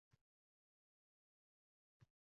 U soat o‘nlarda uyg‘onardi.